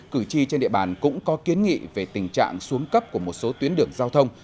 cử tri trên địa bàn cũng có kiến nghị về tình trạng xuống cấp của một số tuyến đường giao thông